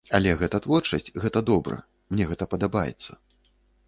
Але гэта творчасць, гэта добра, мне гэта падабаецца.